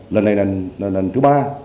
lần này là lần thứ ba